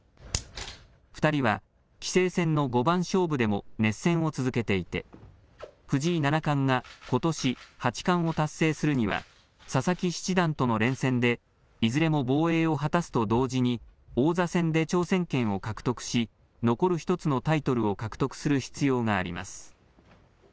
２人は棋聖戦の五番勝負でも熱戦を続けていて藤井七冠がことし八冠を達成するには佐々木七段との連戦でいずれも防衛を果たすと同時に王座戦で挑戦権を獲得し残る１つのタイトルを獲得する必要があります。